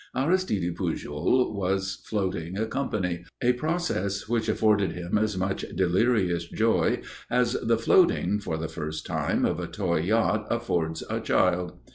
Aristide Pujol was floating a company, a process which afforded him as much delirious joy as the floating, for the first time, of a toy yacht affords a child.